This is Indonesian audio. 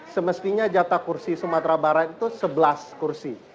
semestinya jatah kursi sumatera barat itu sebelas kursi